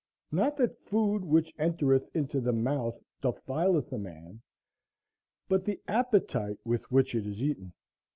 Not that food which entereth into the mouth defileth a man, but the appetite with which it is eaten.